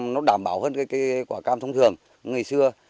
nó đảm bảo hơn cái quả cam thông thường ngày xưa